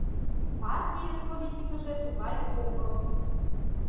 Партийын политикыже тугай огыл.